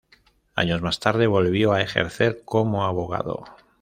Años más tarde, volvió a ejercer como abogado.